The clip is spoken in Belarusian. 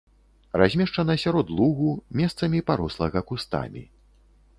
Размешчана сярод лугу, месцамі парослага кустамі.